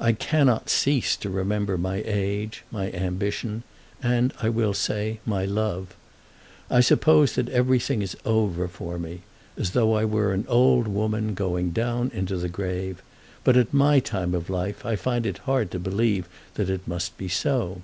I cannot cease to remember my age, my ambition, and I will say, my love. I suppose that everything is over for me, as though I were an old woman, going down into the grave, but at my time of life I find it hard to believe that it must be so.